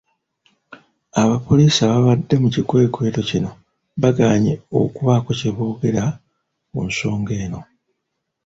Abapoliisi ababadde mu kikwekweto kino bagaanye okubaako kye boogera ku nsonga eno.